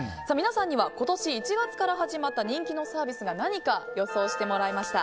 皆さんには今年１月から始まった人気のサービスが何か予想してもらいました。